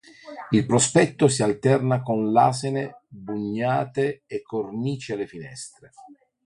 Il prospetto si alterna con lesene bugnate e cornici alle finestre.